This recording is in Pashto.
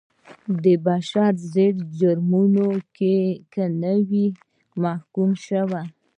د بشر ضد جرمونو کې نه وي محکوم شوي.